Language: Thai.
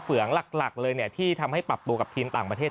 เงืองหลักเลยที่ทำให้ปรับตัวกับทีมต่างประเทศ